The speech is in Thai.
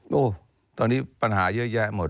โอ้โหตอนนี้ปัญหาเยอะแยะหมด